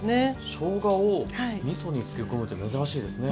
しょうがをみそに漬け込むって珍しいですね。